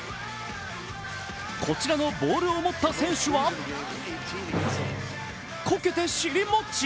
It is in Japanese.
こちらのボールを持った選手は、こけて尻もち。